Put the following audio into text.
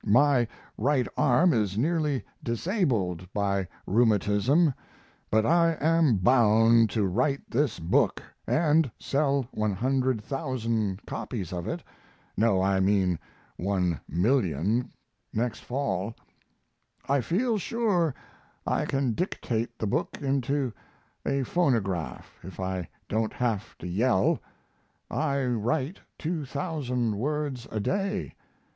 My right arm is nearly disabled by rheumatism, but I am bound to write this book (and sell 100,000 copies of it no, I mean 1,000,000 next fall). I feel sure I can dictate the book into a phonograph if I don't have to yell. I write 2,000 words a day.